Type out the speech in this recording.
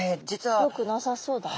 よくなさそうだな。